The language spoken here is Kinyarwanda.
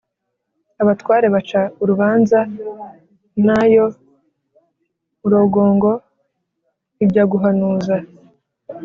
abat ware baca uruban za na yo rugongo ijya guhanuza